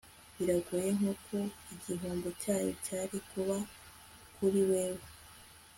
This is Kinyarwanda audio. biragoye nkuko igihombo cyayo cyari kuba kuri we, we